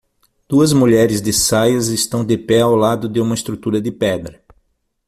Duas mulheres de saias estão de pé ao lado de uma estrutura de pedra.